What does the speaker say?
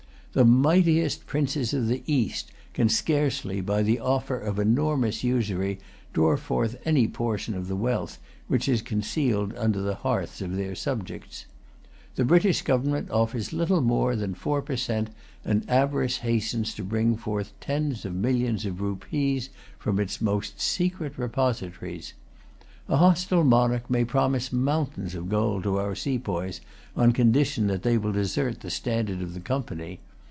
The mightiest princes of the East can scarcely, by the offer of enormous usury, draw forth any portion of the wealth which is concealed under the hearths of their subjects. The British Government offers little more than four per cent. and avarice hastens to bring forth tens of millions of rupees from its most secret repositories. A hostile monarch may promise mountains of gold to our sepoys on condition that they will desert the standard of the Company.